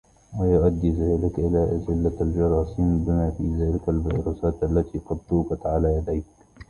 ويؤدي ذلك إلى إزالة الجراثيم بما في ذلك الفيروسات التي قد توجد على يديك